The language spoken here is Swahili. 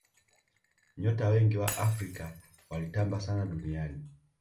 nyota wengi wa afrika walitamba sana duniani